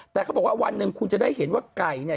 แต่เขาบอกว่าวันหนึ่งคุณจะได้เห็นว่าไก่เนี่ย